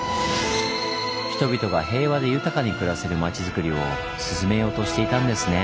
人々が平和で豊かに暮らせる町づくりを進めようとしていたんですねぇ。